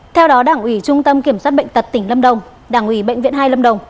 theo đó đảng ủy trung tâm kiểm soát bệnh tật tỉnh lâm đồng đảng ủy bệnh viện hai lâm đồng